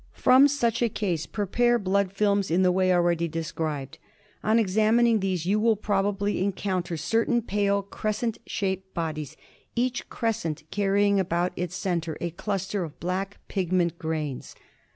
From such a case prepare blood films in the way 1 already described. On «* examining these you will probably encounter certain pale crescent ^W ^ shaped bodies, each crescent carrying about *^ its centre a cluster of black pigment grains.